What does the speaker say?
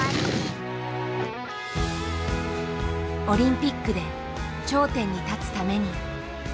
オリンピックで頂点に立つために。